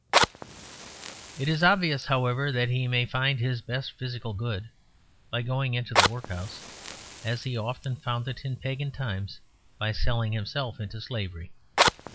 It is obvious, however, that he may find his best physical good by going into the workhouse, as he often found it in pagan times by selling himself into slavery.